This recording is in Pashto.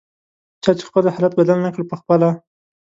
چا چې خپل حالت بدل نکړ پخپله